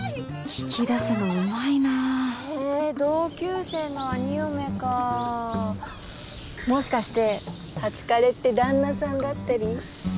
聞き出すのうまいなへえ同級生の兄嫁かもしかして初カレって旦那さんだったり？